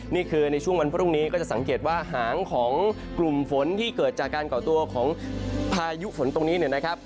ในช่วงวันพรุ่งนี้ก็จะสังเกตว่าหางของกลุ่มฝนที่เกิดจากการก่อตัวของพายุฝนตรงนี้เนี่ยนะครับ